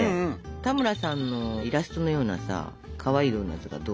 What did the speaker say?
田村さんのイラストのようなさかわいいドーナツはどうかな？